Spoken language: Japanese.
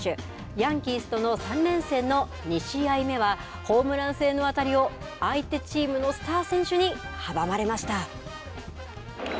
ヤンキースとの３連戦の２試合目はホームラン性の当たりを相手チームのスター選手に阻まれました。